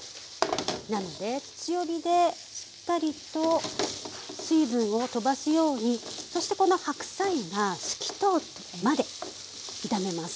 なので強火でしっかりと水分をとばすようにそしてこの白菜が透き通るまで炒めます。